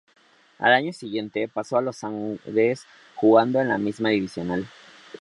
Al año siguiente pasó a Los Andes, jugando en la misma divisional.